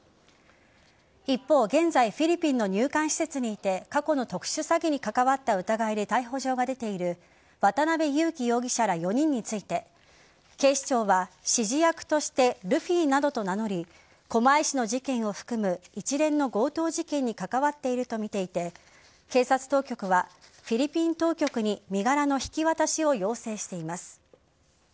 一方、現在フィリピンの入管施設にいて過去の特殊詐欺に関わった疑いで逮捕状が出ている渡辺優樹容疑者ら４人について警視庁は指示役としてルフィなどと名乗り狛江市の事件を含む一連の強盗事件に関わっているとみていて警察当局はフィリピン当局に身柄の引き渡しを要請しています。